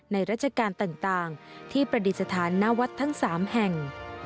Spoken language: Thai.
ในราชการต่างต่างที่ประดิษฐานหน้าวัดทั้งสามแห่ง